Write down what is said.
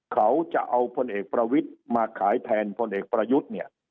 เขาจะเอาพลเอกปรวิชมาขายแทนพลเอกปรยุทธ์